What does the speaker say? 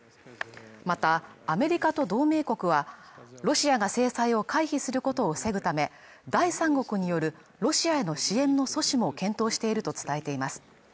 またアメリカと同盟国はロシアが制裁を回避することを防ぐため第三国によるロシアの支援の措置も検討していると伝えています